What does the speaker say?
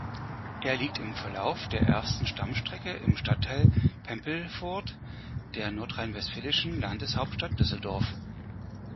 Er liegt im Verlauf der ersten Stammstrecke im Stadtteil Pempelfort der nordrhein-westfälischen Landeshauptstadt Düsseldorf.